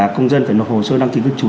công dân phải nộp hồ sơ đăng ký lưu trú